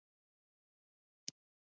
زه هغه لور ته ځم